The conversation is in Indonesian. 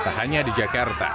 tak hanya di jakarta